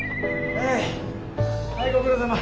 はいはいご苦労さま。